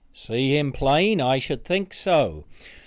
See him plain! I should think so.